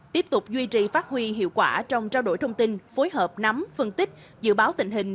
tiếp tục duy trì phát huy hiệu quả trong trao đổi thông tin phối hợp nắm phân tích dự báo tình hình